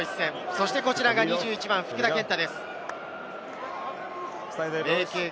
そしてこちらが２１番・福田健太です。